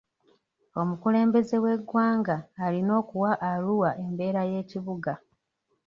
Omukulembeze w'eggwanga alina okuwa Arua embeera y'ekibuga.